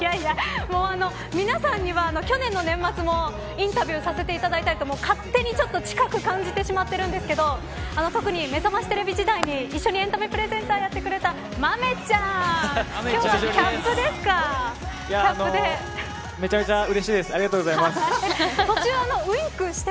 皆さんには去年の年末もインタビューさせていただいたりと勝手に近く感じてしまっているんですけど、特にめざましテレビ時代に一緒にエンタメプレゼンターをやってくれた豆ちゃんめちゃめちゃうれしいです。